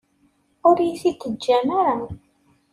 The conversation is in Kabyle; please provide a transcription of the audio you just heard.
Ur iyi-t-id-teǧǧam ara.